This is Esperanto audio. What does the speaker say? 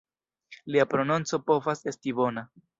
Lia prononco povas esti bona.